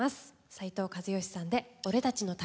斉藤和義さんで「俺たちの旅」。